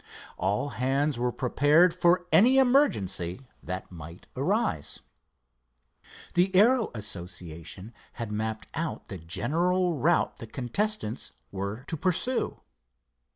All hands were prepared for any emergency that might arise. The Aero Association had mapped out the general route the contestants were to pursue.